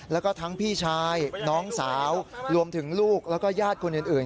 แล้วก็ทั้งพี่ชายน้องสาวรวมถึงลูกแล้วก็ญาติคนอื่น